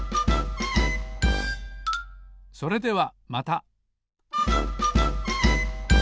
それではまた！